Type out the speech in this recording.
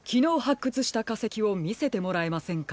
くつしたかせきをみせてもらえませんか？